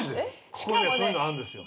ここにはそういうのあるんですよ。